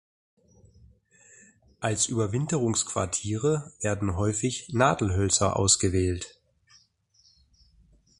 Als Überwinterungsquartiere werden häufig Nadelhölzer ausgewählt.